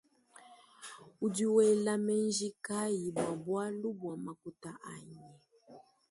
Udi wela menji kayi bua bualu bua makuta anyi.